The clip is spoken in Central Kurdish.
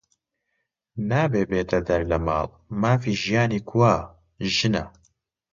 نابێ بێتە دەر لە ماڵ، مافی ژیانی کوا؟ ژنە